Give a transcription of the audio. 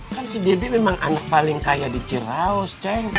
kan si debbie memang anak paling kaya di ciraos ceng